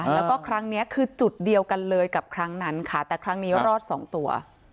แล้วก็ครั้งนี้คือจุดเดียวกันเลยกับครั้งนั้นค่ะแต่ครั้งนี้รอดสองตัว